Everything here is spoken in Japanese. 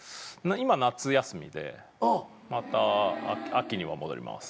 今夏休みでまた秋には戻ります。